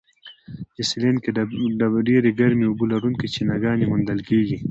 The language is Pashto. آیسلنډ کې ډېرې ګرمي اوبه لرونکي چینهګانې موندل کیږي.